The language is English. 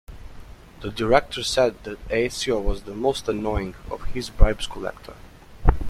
The director said that Aecio was "the most annoying" of his bribe's collector.